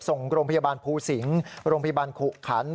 ส่งโรงพยาบาลภูสิงศ์โรงพยาบาลขุขัน